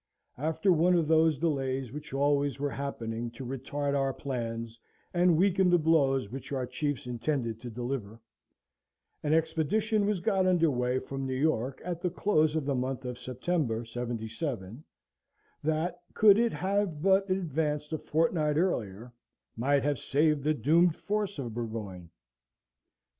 After one of those delays which always were happening to retard our plans and weaken the blows which our chiefs intended to deliver, an expedition was got under weigh from New York at the close of the month of September, '77; that, could it have but advanced a fortnight earlier, might have saved the doomed force of Burgoyne.